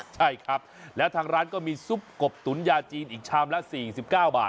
ใช่ครับแล้วทางร้านก็มีซุปกบตุ๋นยาจีนอีกชามละ๔๙บาท